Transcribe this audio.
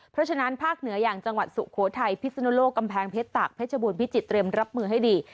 เพราะฉะนั้นภาคเหนืออย่างจังหวัดสุโขทัยพิศนุโลกกำแพงเพชรตากเพชรบูรพิจิตเตรียมรับมือให้ดี